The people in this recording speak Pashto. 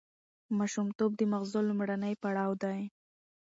ماشومتوب د ماغزو لومړنی پړاو دی.